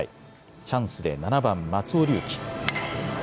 チャンスで７番・松尾龍樹。